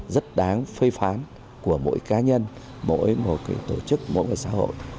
rất đáng phê phán của mỗi cá nhân mỗi một cái tổ chức mỗi một cái xã hội